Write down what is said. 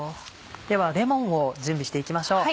ではレモンを準備して行きましょう。